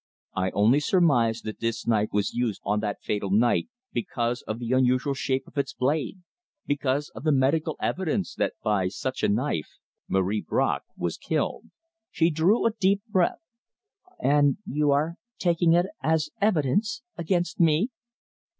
"I only surmise that this knife was used on that fatal night, because of the unusual shape of its blade because of the medical evidence that by such a knife Marie Bracq was killed." She drew a deep breath. "And you are taking it as evidence against me!"